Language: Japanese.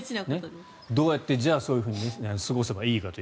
どうやって、そういうふうに過ごせばいいのかと。